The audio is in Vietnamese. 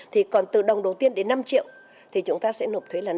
thì còn từ đồng đầu tiên đến năm triệu thì chúng ta sẽ nộp thuế là năm